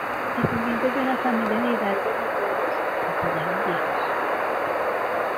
Descendiente de una familia de hidalgos notorios, castellanos viejos.